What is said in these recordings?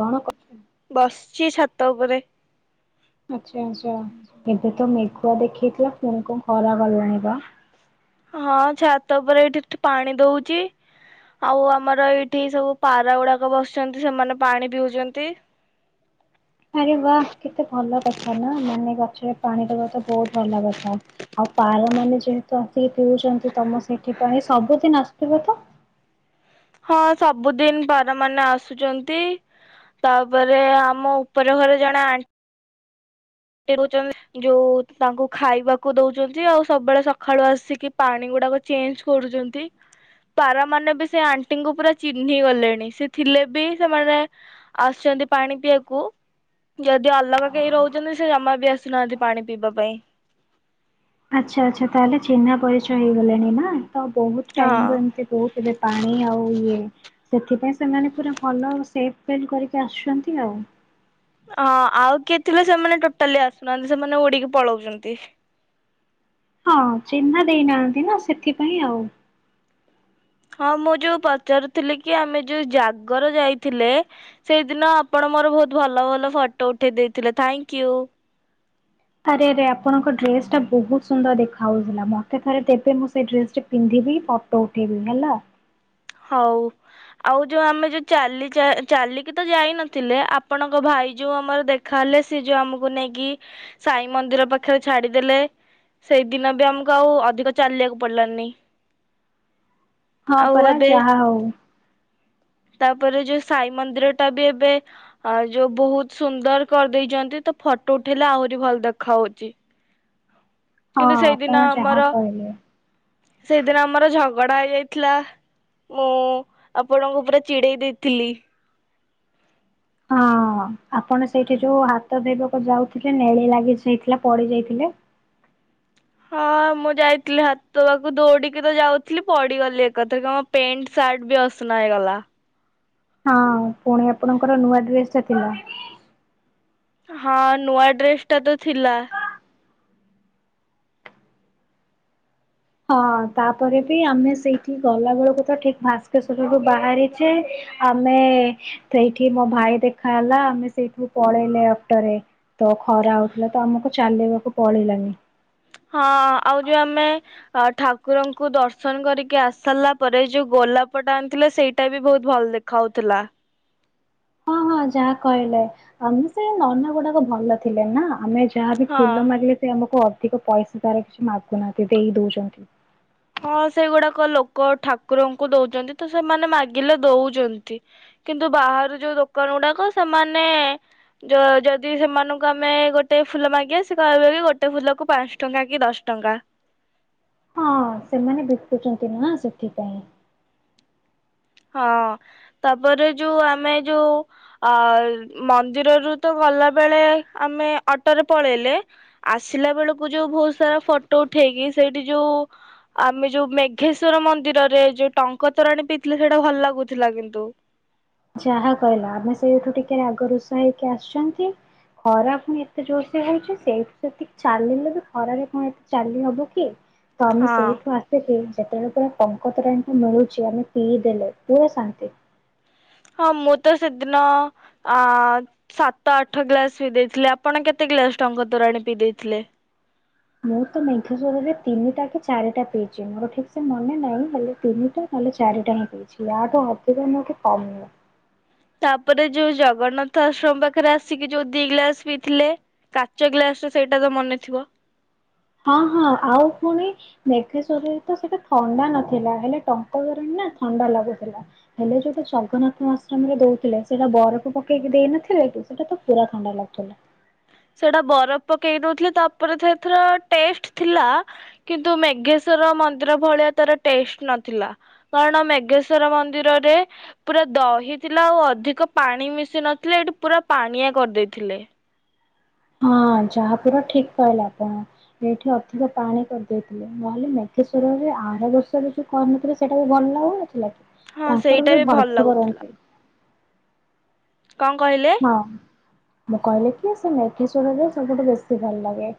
କଣ। କ ବସିଛି ଛାତ ଉପରେ। ଆଛା ଆଛା ଏବେ ତ ମେଘ। ପୁଆ ଦେଖେଇଥିଲା ପୁଣି କଣ ଖରା ଗଲାଣି ବା। ହଁ ଛାତ ଉପରେ ଏଇଠି ପାଣି ଦଉଛି ଆଉ ଆମର ଏଇଠି ସବୁ ପାରା ଗୁଡାକ ବସିଛନ୍ତି ସେମାନେ ପାଣି ପିଉଛନ୍ତି। ଆରେ ବା କେତେ ଭଲ କଥା ନା ମାନେ ଗଛରେ ପାଣି ଦବା ତ ବହୁତ ଭଲ କଥା ଆଉ ପାର ମାନେ ଯେହେତୁ ଆସିକି ପିଉଛନ୍ତି ତମ ସେଇଠି ପାଇଁ ସବୁଦିନ ଆସଥିବ ତ। ହଁ ସବୁଦିନ ପାର ମାନେ ଆସୁଛନ୍ତି ତାପରେ ଆମ ଉପର ଘରେ ଜଣେ ଆଣ୍ଟି। ର ଯୋଉ ତାଙ୍କୁ ଖାଇବାକୁ ଦଉଛନ୍ତି ଆଉ ସବୁବେଳେ ସକାଳୁ ଆସିକି ପାଣି ଗୁଡାକ ଚେଞ୍ଜ କରୁଛନ୍ତି ପାରା ମାନେ ବି ସେ ଆଣ୍ଟିଙ୍କୁ ପୁରା ଚିହ୍ନି ଗଲେଣି ସେ ଥିଲେ ବି ସେମାନେ ଆସୁଛନ୍ତି ପାଣି ପିଇବାକୁ ଯଦି ଅଲଗା କେହି ରହୁଛନ୍ତି। ଜମା ବି ଆସୁନାହାନ୍ତି ପାଣି ପିଇବା ପାଇଁ। ଆଚ୍ଛା ଆଚ୍ଛା ତାହଲେ ଚିହ୍ନା ପରିଚୟ ହେଇଗଲଣିି ନା। ତ ବହୁତ ଟାଇମ ହଁ ରୁ ଏମିତି କହୁଥିବେ ପାଣି ଆଉ ଇଏ। ସେଥିପାଇଁ ସେମାନେ ପୁରା ଭଲ ସେ ଫିଲ୍ କରିକି ଆସୁଛନ୍ତି ଆଉ। ହଁ ଆଉ କିଏ ଥିଲେ ସେମାନେ ଟୋଟାଲି ଆସୁନାହାନ୍ତି ସେମାନେ ଉଡିକି ପଳଉଛନ୍ତି। ହଁ ଚିହ୍ନା ଦେଇନାହାନ୍ତି ନା ସେଥିପାଇଁ ଆଉ। ହଁ ମୁଁ ଯୋଉ ପଚାରୁଥିଲି କି ଆମେ ଯୋଉ ଜାଗର ଯାଇଥିଲେ ସେଇଦିନ ଆପଣ ମୋର ବହୁତ ଭଲ ଭଲ ଫଟୋ ଉଠେଇ ଦେଇଥିଲେ ଥ୍ୟାଙ୍କ ୟୁ। ଆରେ ଆରେ ଆପଣଙ୍କ ଡ୍ରେସ ଟା ବହୁତ ସୁନ୍ଦର ଦେଖାଯାଉଥିଲା ମତେ ଥରେବେ ମୁଁ ସେ ଡ୍ରେସ ପିନ୍ଧିବି ଫଟୋ ଉଠେଇବି ହେଲା। ହଉ ଆଉ ଯୋଉ ଆମେ ଯୋଉ ଚାଲି ଚାଲିକି ତ ଯାଇନଥିଲେ ଆପଣଙ୍କ ଭାଇ ଯୋଉ ଆମର ଦେଖାହଲେ ସି ଯୋଉ ଆମକୁ ନେଇକି ସାଇ ମନ୍ଦିର ପାଖରେ ଛାଡିଦେଲେ ସେଇଦିନ ବି ଆମକୁ ଆଉ ଅଧିକ ଚାଲିବାକୁ ପଡିଲାନି। ହଁ ଆଉ ପରା। ଏବେ ଚାହା ହଉ। ତାପରେ ଯୋଉ ସାଇ ମନ୍ଦିର ଟା ବି ଏବେ ଯୋଉ ବହୁତ ସୁନ୍ଦର କରିଦେଇଛନ୍ତି ତ ଫଟୋ ଉଠେଇଲେ ଆହୁରି ଭଲ ଦେଖ ହାଉଛି। ହଁ କିନ୍ତୁ ଆପଣ ସେଇଦିନ ଯାହା ଆମର କହିଲେ। ସେଇଦିନ ଆମର ଝଗ ଗଡା ହେଇଯାଇଥିଲା ମୁଁ ଆପଣଙ୍କୁ ପୁରା ଚିଡେଇ ଦେଇଥିଲି। ହଁ ଆପଣ ସେଇଠି ଯୋଉ ହାତ ଧୋଇବାକୁ ଯାଉଥିଲେ ନେଳି ଲାଗି ଯାଇଥିଲା ପଡି ଯାଇଥିଲେ। ହଁ ମୁଁ ଯାଇଥିଲି ହାତ ପାଖ ଦୌଡିକି ତ ଯାଉଥିଲି ପଡିଗଲି ଏକାଥରେ ମୋ ପ୍ୟାଣ୍ଟ ସାର୍ଟ ବି ଅସନା ହେଇଗଲା। ହଁ ପୁଣି ଆପଣଙ୍କର ନୂଆ ଡ୍ରେସ ଟା ଥିଲା। ହଁ ନୂଆ ଡ୍ରେସ ଟା ତ ଥିଲା। ହଁ ତାପରେ ବି ଆମେ ସେଇଠି ଗଲା ବେଳକୁ ତ ଠିକ ଭାସ୍କେଶ୍ଵରରୁୁ ବାହାରିଛେ ଆମେ ସେଇଠି ମୋ ଭାଇ ଦେଖା ହେଲା ଆମେ ସେଇଠୁ ପଳେଇଲେ ଅଟୋରେ ତ ଖରା ହଉଥିଲା ତ ଆମକୁ ଚାଲିବାକୁ ପଡ଼ିଲାନି। ହଁ ଆଉ ଯୋଉ ଆମେ ଅ ଠାକୁରଙ୍କୁ ଦର୍ଶନ କରିକି ଆସିସାରିଲା ପରେ ଯୋଉ ଗୋଲାପଟା ଆଣିଥିଲେ ସେଇଟା ବି ବହୁତ ଭଲ ଦେଖାହଉଥିଲା। ହ ହଁ ଯାହା କହିଲେ ଆମେ ସେ ନନା ଗୁଡାକ ଭଲ ଥିଲେ ନା ଆମେ ଯାହାବି ହଁ। ଫୁଲ ମାଗିଲେ ସେ ଆମକୁ ଅ ଅଧିକ ପଇସା ତାର କିଛି ମାଗୁନାହାନ୍ତି ଦେଇ ଦଉଛନ୍ତି। ହଁ ସେଗୁଡାକ ଲୋକ ଠାକୁରଙ୍କୁ ଦଉଛନ୍ତି ତ ସେମାନେ ମାଗିଲେ ଦଉଛନ୍ତି କିନ୍ତୁ ବାହାରୁ ଯୋଉ ଦୋକାନ ଗୁଡାକ ସେମାନେ ଯଦି ସେମାନଙ୍କୁ ଆମେ ଗୋଟେ ଫୁଲ ମାଗିବା ସେ କହିବେ କି ଗୋଟେ ଫୁଲକୁ ପାଞ୍ଚ ଟଙ୍କା କି ଦଶ ଟଙ୍କା। ହଁ ସେମାନେ ବିକୁଛନ୍ତି ନା ସେଥିପାଇଁ। ହଁ ତାପରେ ଯୋଉ ଆମେ ଯୋଉ ଅ ମନ୍ଦିରରୁ ତ ଗଲା ବେଳେ ଆମେ ଅଟୋରେ ପଳେଇଲେ ଆସିଲା ବେଳକୁ ଯୋଉ ବହୁତ ସାରା ଫଟୋ ଉଠେଇକି ସେଇଠି ଯୋଉ ଆମେ ଯୋଉ ମେଘେଶ୍ଵର ମନ୍ଦିରରେ ଯୋଉ ଟଙ୍କତୋରାଣୀ ପି ଥିଲେ ସେଇଟା ଭଲ ଲାଗୁଥିଲା କିନ୍ତୁ। ଯାହା କହିଲା ଆମେ ସେଇଠୁ ଟିକେ ରାଗ ରୋଷ ହେଇକି ଆସିଛନ୍ତି ଖରା ପୁଣି ଏତେ ଜୋର ସେ ହଉଛି ସେଇଠୁ ସେତି ଚାଲିଲେ ବି ଖରାରେ କଣ ଏତେ ଚାଲିହବ କି? ତ ଆମେ ହଁ ସେଉଠୁ ଆସିକି ଯେତେବେଳେ ପୁଣି ଟଙ୍କ ତୋରାଣୀ ଟି ମିଳୁଛି ଆମେ ପିଇ ଦେଲେ କି ଶାନ୍ତି। ହଁ ମୁଁ ତ ସେଦିନ ଆ ସାତ ଆଠ ଗ୍ଲାସ ପିଇ ଦେଇଥିଲି ଆପଣ କେତେ ଗ୍ଲାସ ଟଙ୍କ ତୋରାଣୀ ପିଇ ଦେଇଥିଲେ। ମୁଁ ତ ମେଘାସ୍ୱରରେ ତିନିଟା କି ଚାରିଟା ପିଇଛି ମୋର ଠିକ ସେ ମନେ ନାହିଁ ହେଲେ ତିନିଟା ନହେଲେ ଚାରିଟା ହିଁ ପିଇଛି ଆଠୁ ଅଧିକ ନୁହଁ କି କମ ନୁହଁ। ତାପରେ ଯୋଉ ଜଗନ୍ନାଥ ଆଶ୍ରମ ପାଖରେ ଆସିକି ଯୋଉ ଦି ଗ୍ଲାସ ପିଇଥିଲେ କାଚ ଗ୍ଲାସ ସେଇଟା ତ ମନେଥିବ। ହଁ ହଁ ଆଉ ପୁଣି ମେଘେଶ୍ଵରରେ ତ ସେଇଟା ଥଣ୍ଡା ନଥିଲା ହେଲେ ଟଙ୍କ ତୋରାଣି ନା ଥଣ୍ଡା ଲାଗୁଥିଲା ହେଲେ ଯୋଉଟା ଜଗନ୍ନାଥ ଆଶ୍ରମରେ ଦଉଥିଲେ ସେଇଟା ବରଫ ପକେଇକି ଦେଇନଥିଲେ କି ସେଟା ତ ପୁରା ଥଣ୍ଡା ଲାଗୁଥିଲା। ସେଟା ବରଫ ପକେଇ ଦୋଉଥିଲେ ତାପରେ ସେଥର ଟେଷ୍ଟ ଥିଲା କିନ୍ତୁ ମେଘେଶ୍ଵର ମନ୍ଦିର ଭଳିଆ ତାର ଟେଷ୍ଟ ନଥିଲା କାରଣ ମେଘେଶ୍ଵର ମନ୍ଦିରରେ ପୁରା ଦହି ଥିଲା ଆଉ ଅଧିକ ପାଣି ମିଶି ନଥିଲେ ଏଠି ପୁରା ପାଣିଆ କରିଦେଇଥିଲେ। ହଁ ଯାହା ପୁରା ଠିକ କହିଲେ ଆପଣ ଏଇଠି ଅଧିକ ପାଣି କରିଦେଇଥିଲେ ନହେଲେ ମେଘେଶ୍ଵରରେ ଆର ବର୍ଷରେ ଯୋଉ କରିନଥିଲେ ସେଇଟା ବି ଭଲ ଲାଗୁନଥିଲା। କି? ହଁ ତାଙ୍କର ସେଇଟା ପୁରା ବି ଭଲ ଭଲସେ ଲାଗୁଥିଲା। କରନ୍ତି କଣ କହିଲେ? ହଁ। ମୁଁ କହିଲି କି ସେ ମେଘେଶ୍ଵରରେ ସବୁଠୁ ବେଶୀ ଭଲ ଲାଗେ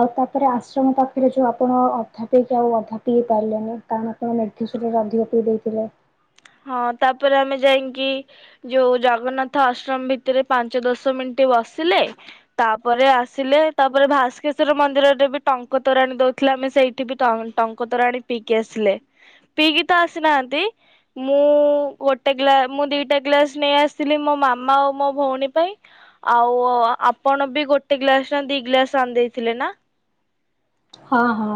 ଆଉ ତାପରେ ଆଶ୍ରମ ପାଖରେ ଯୋଉ ଆପଣ ଅଧା ପିଇକି ଆଉ ଅଧା ପିଇ ପାରିଲେନି କାରଣ ଆପଣ ମେଘେଶ୍ଵରରେ ଅଧିକ ପିଇ ଦେଇଥିଲେ। ହଁ ତାପରେ ଆମେ ଯାଇକି ଯୋଉ ଜଗନ୍ନାଥ ଆଶ୍ରମ ଭିତରେ ପାଞ୍ଚ ଦଶ ମିନିଟ ବସିଲେ ତାପରେ ଆସିଲେ ତାପରେ ଭାସ୍କେଶ୍ଵର ମନ୍ଦିରରେ ବି ଟଙ୍କତୋରାଣୀ ଦଉଥିଲେ ଆମେ ସେଇଠି ବି ଟଙ୍କତୋରାଣୀ ପିଇକି ଆସିଲେ ପିଇକି ତ ଆସିନାହାନ୍ତି ମୁଁ ଗୋଟେ ଗା ମୁଁ ଦିଟା ଗ୍ଲାସ୍ ନେଇ ଆସିଥିଲି ମୋ ମାମା ଆଉ ମୋ ଭଉଣୀ ପାଇଁ ଆଉ ଆପଣ ବି ଗୋଟେ ଗ୍ଲାସ ନା ଦି ଗ୍ଲାସ୍ ଆଣିଦେଇଥିଲେ ନା। ହଁ ହଁ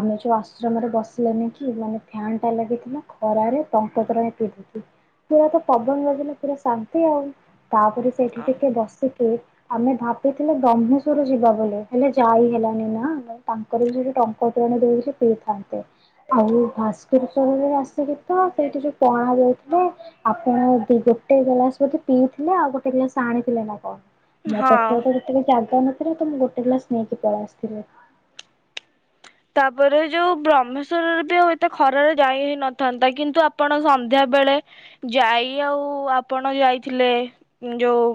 ଆମେ ଯୋଉ ଆଶ୍ରମରେ ବସିଲାନି କି ମାନେ ଫ୍ୟାନ୍ ଟା ଲାଗିଥିଲା ଖରାରେ ଟଙ୍କତୋରାଣ ପିଇକି ପୁରା ତ ପବନ ଲାଗିଲା ପୁରା ଶାନ୍ତି ଆଉ। ତାପରେ ସେଇଠି ଟିକେ ବସି ଆମେ ଭାବିଥିଲେ ବ୍ରହ୍ମେଶ୍ଵର ଯିବା ବୋଲି ହେଲେ ଯାଇ ହେଲାନି ନା। ତାଙ୍କର ବି ସେଠି ଟଙ୍କାତୋରଣ ଦେଇକି ପିଇଥାନ୍ତେ ଆଉ ଭାସ୍କେଶ୍ଵରରେ ଆସିକି ତ ସେଠି ଯୋଉ ପଣା ଦେଇଥିଲେ ଆଉପୁଣି ଗୋଟେ ଗ୍ଲାସ ବୋଧେ ପିଇଥିଲେ ଆଉ ଗୋଟେ ଗ୍ଲାସ ଆଣିଥିଲେ ନା କଣ। ମୋ ପେଟ ହଁ ତ ତିନି ଚା ତମେ ପୁରା ତମେ ଗୋଟେ ଗ୍ଲାସ ନେଇକି ପଳେଇ ଆସିଥିଲେ। ତାପରେ ଯୋଉ ବ୍ରହ୍ମେଶ୍ଵରରେ ବି ଆଉ ଏତେ ଖରାରେ ଯାଇ ହେଇ ନଥାନ୍ତା କିନ୍ତୁ ଆପଣ ସନ୍ଧ୍ୟା ବେଳେ ଯାଇ ଆଉ ଆପଣ ଯାଇଥିଲେ ଯୋଉ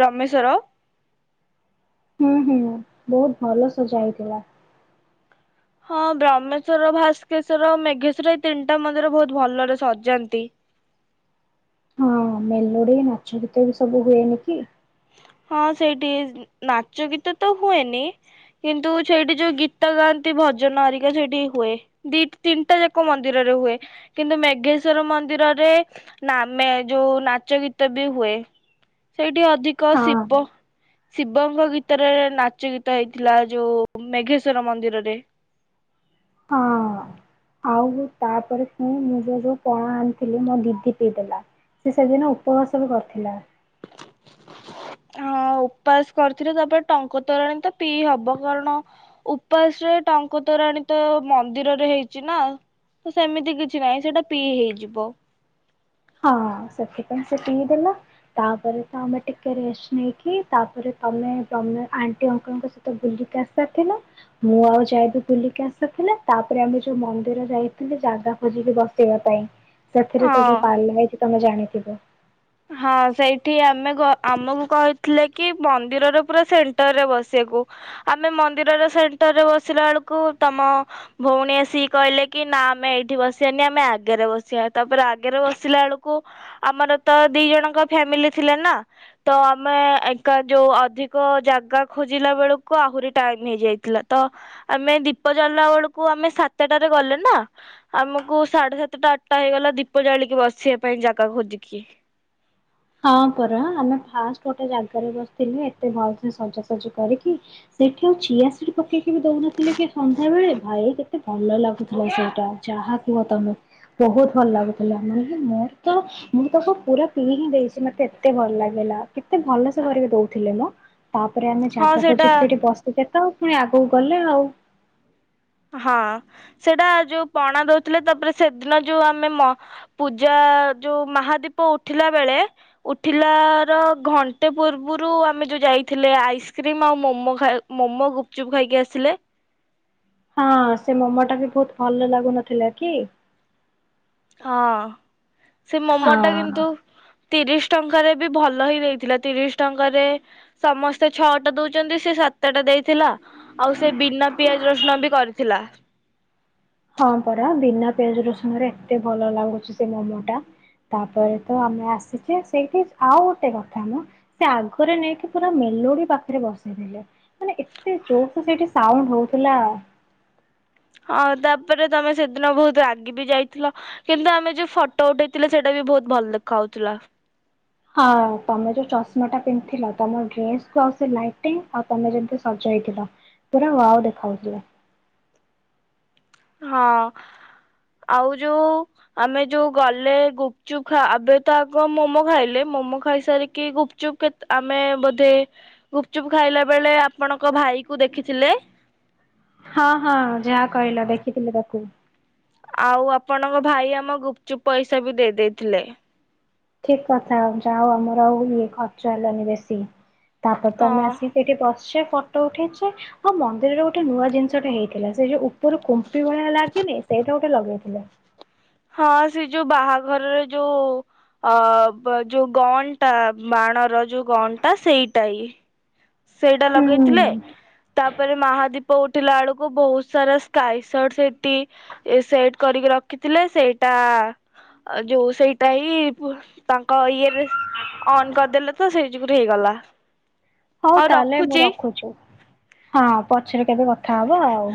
ବ୍ରହ୍ମେଶ୍ଵର ହୁଁ ହୁଁ ବହୁତ ଭଲ ସଜା ହେଇଥିଲା। ହଁ ବ୍ରହ୍ମେଶ୍ଵର ଭାସ୍କେଶ୍ଵର ମେଘେଶ୍ଵର ଏଇ ତିନିଟା ମନ୍ଦିର ବହୁତ ଭଲରେ ସଜାନ୍ତି। ହଁ ମେଲୋଡି ନାଚ ଗୀତ ବି ସବୁ ହୁଏନି କି। ହଁ ସେଇଠି ନାଚ ଗୀତ ତ ହୁଏନି କିନ୍ତୁ ସେଇଠି ଯୋଉ ଗୀତ ଗାଆନ୍ତି ଭଜନ ହେରିକା ସେଇଠି ହୁଏ ଦି ତିନିଟା ଯାକ ମନ୍ଦିରରେ ହୁଏ କିନ୍ତୁ ମେଘେଶ୍ଵର ମନ୍ଦିରରେ ନା ମେ ଯୋଉ ନାଚ ଗୀତ ବି ହୁଏ ସେଇଠି ଅଧି ହଁ କସିିବ ଶିବଙ୍କ ଗୀତରେ ନାଚ ଗୀତ ହେଇଥିଲା ଯୋଉ ମେଘେଶ୍ଵର ମନ୍ଦିରରେ। ହଁ ଆଉ ତାପରେ ପୁଣି ମୁଁ ଯୋଉ ଯୋଉ ପଣା ଆଣିଥିଲି ମୋ ଦିଦି ପିଇଦେଲା ସେ ସେଦିନ ଉପବାସ ବି କରିଥିଲା। ହଁ ଉପାସ କରିଥିଲେ ତାପରେ ଟଙ୍କତୋରାଣୀ ତ ପିଇ ହବ କାରଣ ଉପାସରେ ଟଙ୍କତୋରାଣୀ ତ ମନ୍ଦିରରେ ହେଇଚି ନା ସେମିତି କିଛି ନାହିଁ ସେଟା ପିଇ ହେଇଯିବ। ହଁ ସେଥିପାଇଁ ସେଥିପାଇଁ ସେ ପିଇ ଦେଲା, ତାପରେ ତ ଆମେ ଟିକେ ରେଷ୍ଟ ନେଇକି ତାପରେ ତୋମେ ତୋମେ ଆଣ୍ଟି ଅଙ୍କଲ୍ ସହିତ ବୁଲିକି ଆସାରିଥିଲ, ମୁଁ ଆଉ ଯାଇବି ବୁଲିକି ଆସସାରିଥିଲେ, ତାପରେ ଆମେ ଯୋଉ ମନ୍ଦିର ଯାଇଥିଲୁ ଜାଗା ଖୋଜିକି ବସେଇବା ପାଇଁ। ସେଥିରେ ତ ଯୋଉ ହଁ। [inaudible] ତୋମେ ଜାଣିଥିବ। ହଁ ସେଇଠି ଆମେ ଗ-ଆମକୁ କହିଥିଲେ କି ମନ୍ଦିରର ପୁରା ସେଣ୍ଟରରେ ବସିବାକୁ, ଆମେ ମନ୍ଦିରର ସେଣ୍ଟର ରେ ବସିଲା ବେଳକୁ ତୋମ ଭଉଣୀ ଆସିକ କହିଲେ କି ନା ଆମେ ଏଇଠି ବସିବାନି, ଆମେ ଆଗରେ ବସିବା, ତାପରେ ଆଗରେ ବସିଲା ବେଳକୁ ଆମର ତ ଦି ଜଣଙ୍କ ଫ୍ୟାମିଲି ଥିଲେ ନା, ତ ଆମେ ଏକା ଯୋଉ ଅଧିକ ଜାଗା ଖୋଜିଲା ବେଳକୁ ଆହୁରି ଟାଇମ୍ ହେଇଯାଇଥିଲା, ତ ଆମେ ଦୀପ ଜାଳିଲା ବେଳକୁ ଆମେ ସାତଟାରେ ଗଲେ ନା ଆମକୁ ସାଢେ ସାତଟା ଆଠଟା ହେଇଗଲା ଦୀପ ଜାଳିକି ବସିବା ପାଇଁ ଜାଗା ଖୋଜିକି। ହଁ ପରା ଆମେ ଫାଷ୍ଟ ଗୋଟେ ଜାଗରେ ବସିଥିଲୁ ଏତେ ଭଲ ସେ ସଜାସଜି କରିକି, ସେଠି ଆଉ ଚିଆ ସିଡ୍ ପକେଇକି ବି ଦଉନଥିଲି କି ସନ୍ଧ୍ୟା ବେଳେ ଭାଇ କେତେ ଭଲ ଲାଗୁଥିଲା, ସେଇଟା ଯାହା କୁହ ତୋମେ ବହୁତ ଭଲ ଲାଗୁଥିଲା, ମାନେ ମୋର ତ ମୁଁ ତାକୁ ପୁରା ପିଇ ହିଁ ଦେଇ ସେ ମୋତେ ଏତେ ଭଲ ଲାଗିଲା କେତେ ଭଲ ସେ କରିକି ଦଉଥିଲେ ନା। ତାପରେ ଆମେ ହଁ ଜାଗା ସେଇଟା ଖୋଜିିକି ସେଠି ବସିଚେ ତ ପୁଣି ଆଗକୁ ଗଲେ ଆଉ ହଁ ସେଇଟା ଯୋଉ ପଣା ଦଉଥିଲେ ତାପରେ ସେଦିନ ଯୋଉ ଆମେ ମ-ପୂଜା ଯୋଉ ମହାଦୀପ ଉଠିଲା ବେଳେ ଉଠିଲାର ଘଣ୍ଟେ ପୂର୍ବରୁ ଆମେ ଯୋଉ ଯାଇଥିଲେ, ଆଇସ୍କ୍ରିମ ଆଉ ମୋମ ଖାଇବା ମୋମୋ ଗୁପଚୁପ ଖାଇକି ଆସିଲେ। ହଁ ସେ ମୋମ ଟା ବି ବହୁତ ଭଲ ଲାଗୁନଥିଲା କି। ହଁ। ସେ ମୋମ ଟା ହଁ। କିନ୍ତୁ ତିରିଶ ଟଙ୍କାରେ ବି ଭଲ ହି ଦେଇଥିଲା ତିରିଶ ଟଙ୍କାରେ ସମସ୍ତେ ଛଅଟା ଦଉଚନ୍ତି ସେ ସାତଟା ଦେଇଥିଲା। ଆଉ ସେ ବିନା ପିଆଜ ରସୁଣ ବି କରିଥିଲା। ହଁ ପରା ବିନା ପିଆଜ ରସୁଣରେ ଏତେ ଭଲ ଲାଗୁଚି ସେ ମୋମୋ ଟା, ତାପରେ ତ ଆମେ ଆସିଚେ ସେଇଠି, ଆଉ ଗୋଟେ କଥା ମଁ ସେ ଆଗରେ ନେଇକି ପୁରା ମେଲୋଡି ପାଖରେ ବସେଇଥିଲେ, ମାନେ ଏତେ ଜୋରସେ ସେଇଠି ସାଉଣ୍ଡ ହଉଥିଲା। ହଁ ତାପରେ ତମେ ସେଦିନ ବହୁତ ରାଗି ବି ଯାଇଥିଲ, କିନ୍ତୁ ଆମେ ଯୋଉ ଫଟୋ ଉଠେଇଥିଲେ ସେଇଟା ବି ବହୁତ ଭଲ ଦେଖାଉଥିଲା। ହଁ ତୋମେ ଯୋଉ ଚଷମା ଟା ପିନ୍ଧିଥିଲ ତୋମ ଡ୍ରେସକୁ ଆଉ ସେ ଲାଇଟୀଙ୍ଗ୍ ଆଉ ତୋମେ ଯେମିତି ସଜ ହେଇଥିଲ ପୁରା ୱାଓ ଦେଖା ହୋଉଥିଲ। ହଁ ଆଉ ଯୋଉ ଆମେ ଯୋଉ ଗଲେ ଗୁପଚୁପ ଖା- ଆବେ ତ ଆଗ ମୋମୋ ଖାଇଲେ, ମୋମୋ ଖାଇସାରିକି ଗୁପଚୁପ କେତ୍ ଆମେ ବୋଧେ ଗୁପଚୁପ ଖାଇଲା ବେଳେ ଆପଣଙ୍କ ଭାଇ କୁ ଦେଖିଥିଲେ। ହଁ ହଁ ଯାହା କହିଲ ଦେଖିଥିଲେ ତାକୁ। ଆଉ ଆପଣଙ୍କ ଭାଇ ଆମ ଗୁପଚୁପ୍ ପଇସା ବି ଦେଇ ଦେଇଥିଲେ। ଠିକ୍ କଥା ଯା ହୋଉ ଆମର ଆଉ ଇଏ ଖର୍ଚ୍ଚ ହେଲାନି ବେଶୀ। ତାପରେ ତ ଆମେ ହଁ ଆସିକି ଏଇଠି ବସିଚେ ଫଟୋ ଉଠେଇଛେ, ଆଉ ମନ୍ଦିରରେ ଗୋଟେ ନୂଆ ଜିନିଷଟେ ହେଇଥିଲା। ସେ ଯୋଉ ଉ ପୁରୁ କୁମ୍ପି ଭଳିଆ ଲାଗିନି ସେଇଠା ଗୋଟେ ଲଗେଇ ଥିଲା ହଁ ସେ ଯୋଉ ବାହାଘର ରେ ଯୋଉ ଅ, ବ-ଯୋଉ ଗନ୍ ଟା ବାଣର ଯୋଉ ଗନ୍ ଟା ସେଇଟା ଇ ସେଇଟା ହୁଁ ଲଗେଇଥିଲେ ତାପରେ ମହାଦୀପ ଉଠିଲା ଆଡ ଓ ବହୁତ ସାରା ସ୍କାଇସଟ୍ ସେଠି ଏ ସେଟ୍ କରିକି ରଖିଥିଲେ। ସେଇଟା ଅ, ଯୋଉ ସେଇଟା ହି ପୁ ତାଙ୍କ ଇଏରେ ଅନ୍ କରିଦେଲେ ତ ସେଇ ଯୋଗୁ ହେଇଗଲା ହଉ ତାହେଲେ ମୁଁ ରଖୁଚୁ, ହଁ ପଛରେ କେବେ କଥା ହବା ଆଉ।